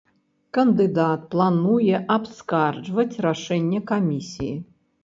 Кандыдат плануе абскарджваць рашэнне камісіі.